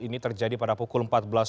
ini terjadi pada pukul empat belas